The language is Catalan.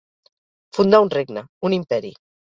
Fundar un regne, un imperi.